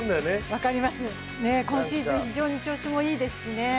分かります、今シーズン非常に調子もいいですしね。